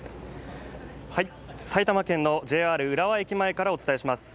埼玉県のＪＲ浦和駅前からお伝えします。